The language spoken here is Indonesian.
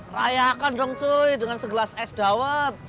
rayakan dong cuy dengan segelas es dawet